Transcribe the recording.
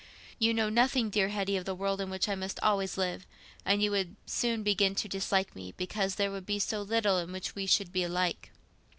You know nothing, dear Hetty, of the world in which I must always live, and you would soon begin to dislike me, because there would be so little in which we should be alike.